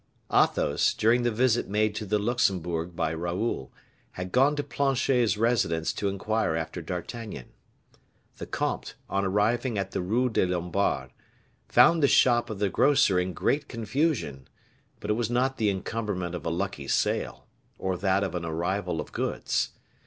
Athos, during the visit made to the Luxembourg by Raoul, had gone to Planchet's residence to inquire after D'Artagnan. The comte, on arriving at the Rue des Lombards, found the shop of the grocer in great confusion; but it was not the encumberment of a lucky sale, or that of an arrival of goods.